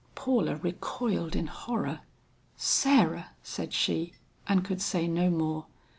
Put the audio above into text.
Paula recoiled in horror. "Sarah!" said she, and could say no more.